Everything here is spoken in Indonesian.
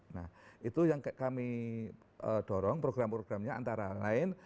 nah itu yang kami dorong program programnya antara lain